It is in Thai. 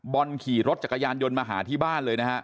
ขี่รถจักรยานยนต์มาหาที่บ้านเลยนะฮะ